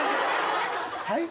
はい？